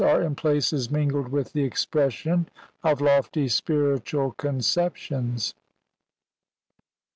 CXI are in places mingled with the expression of lofty spiritual conceptions.